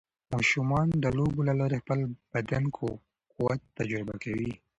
ماشومان د لوبو له لارې د خپل بدن قوت تجربه کوي.